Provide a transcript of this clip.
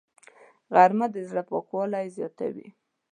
غرمه د زړه پاکوالی زیاتوي